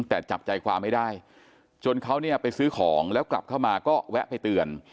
แต่จับใจความไม่ได้จนเขาเนี่ยไปซื้อของแล้วกลับเข้ามาก็แวะไปเตือน